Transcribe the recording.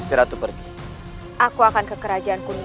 hormat hamba ratu sekarwangi